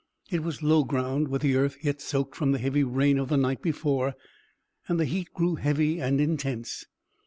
It was low ground, with the earth yet soaked from the heavy rain of the night before, and the heat grew heavy and intense.